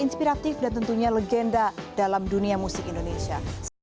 selamat jalan yonkus woyo